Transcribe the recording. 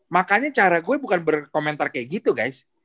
makanya cara gue bukan berkomentar kayak gitu guys